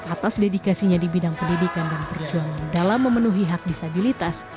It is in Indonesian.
atas dedikasinya di bidang pendidikan dan perjuangan dalam memenuhi hak disabilitas